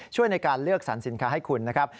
ช่วยในการเลือกสรรสินค้าให้คุณนะครับ